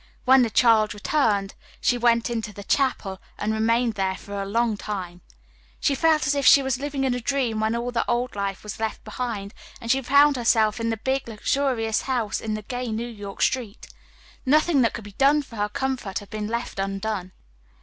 When the child returned, she went into the chapel and remained there for a long time. She felt as if she was living in a dream when all the old life was left behind and she found herself in the big luxurious house in the gay New York street. Nothing that could be done for her comfort had been left undone.